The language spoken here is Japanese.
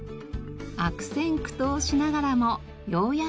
悪戦苦闘しながらもようやく。